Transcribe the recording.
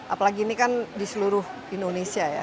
apalagi ini kan di seluruh indonesia ya